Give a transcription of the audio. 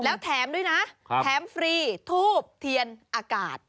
แล้วแถมด้วยนะแถมฟรีทูบเทียนอากาศ